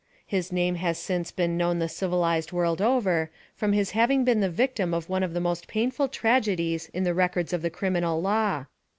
His name has since been known the civilized world over, from his having been the victim of one of the most painful tragedies in the records of the criminal law.